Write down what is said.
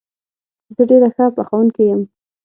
زه ډېره ښه پخوونکې یم